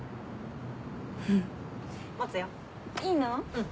うん。